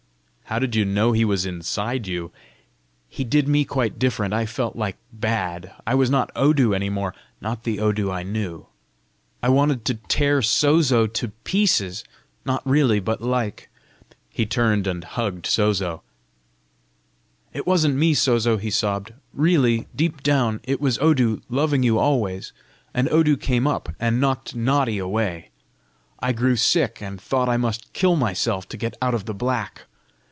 "How did you know he was inside you?" "He did me quite different. I felt like bad. I was not Odu any more not the Odu I knew. I wanted to tear Sozo to pieces not really, but like!" He turned and hugged Sozo. "It wasn't me, Sozo," he sobbed. "Really, deep down, it was Odu, loving you always! And Odu came up, and knocked Naughty away. I grew sick, and thought I must kill myself to get out of the black.